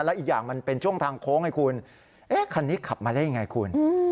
แล้วอีกอย่างมันเป็นช่วงทางโค้งให้คุณเอ๊ะคันนี้ขับมาได้ยังไงคุณ